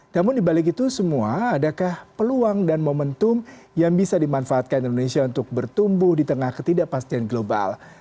namun dibalik itu semua adakah peluang dan momentum yang bisa dimanfaatkan indonesia untuk bertumbuh di tengah ketidakpastian global